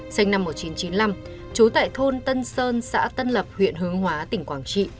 sinh năm một nghìn chín trăm chín mươi năm trú tại thôn tân sơn xã tân lập huyện hướng hóa tỉnh quảng trị